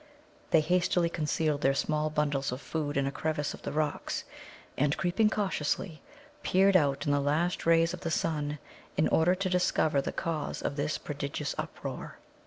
They hastily concealed their small bundles of food in a crevice of the rocks, and, creeping cautiously, peered out in the last rays of the sun in order to discover the cause of this prodigious uproar.